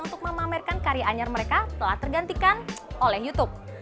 untuk memamerkan karyanya mereka telah tergantikan oleh youtube